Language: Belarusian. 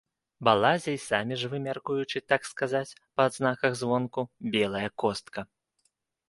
Балазе й самі ж вы, мяркуючы, так сказаць, па адзнаках звонку, — белая костка.